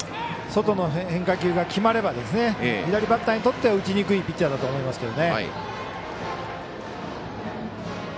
外の変化球が決まれば左バッターにとっては打ちにくいピッチャーだと思います。